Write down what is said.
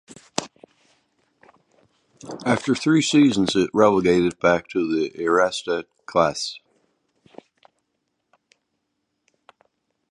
After three seasons it relegated back to the Eerste Klasse.